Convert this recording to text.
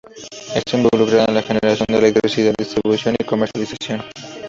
Está involucrada en la generación de electricidad, distribución y comercialización.